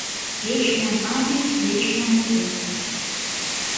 Вечная памяць вечнаму зэку!